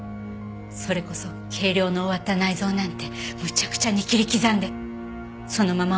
それこそ計量の終わった内臓なんてむちゃくちゃに切り刻んでそのままお腹に戻して。